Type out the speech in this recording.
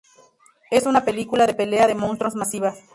Es una película de pelea de monstruos masiva.